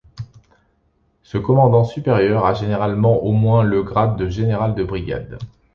Ce commandant supérieur a généralement au moins le grade de général de brigade.